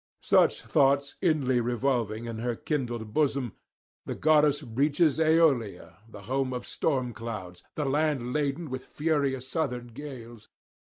Such thoughts inly revolving in her kindled bosom, the goddess reaches Aeolia, the home of storm clouds, the land laden with furious southern gales.